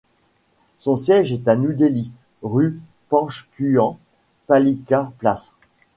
Son siège est à New Delhi rue Panchkuian, Palika Place.